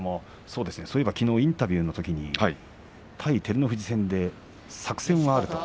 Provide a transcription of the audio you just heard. そういえばきのうインタビューで対照ノ富士戦で作戦はあると。